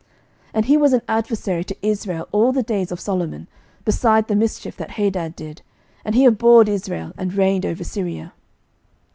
11:011:025 And he was an adversary to Israel all the days of Solomon, beside the mischief that Hadad did: and he abhorred Israel, and reigned over Syria.